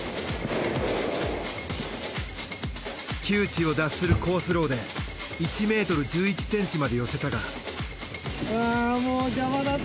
窮地を脱する好スローで１ｍ１１ｃｍまで寄せたが。